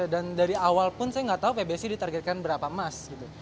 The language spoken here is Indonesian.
dan dari awal pun saya gak tau pbsi ditargetkan berapa emas